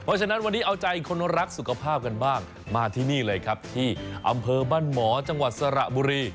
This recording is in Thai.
เพราะฉะนั้นวันนี้เอาใจคนรักสุขภาพกันบ้างมาที่นี่เลยครับที่อำเภอบ้านหมอจังหวัดสระบุรี